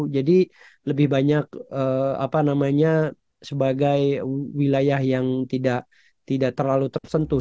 jadi lebih banyak sebagai wilayah yang tidak terlalu tersentuh